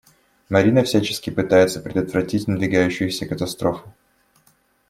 Марина всячески пытается предотвратить надвигающуюся катастрофу.